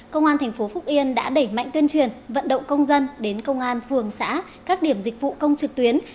công an thành phố phúc yên đã đẩy mạnh tuyên truyền vận động công dân đến công an phường xã các điểm dịch vụ công trực tuyến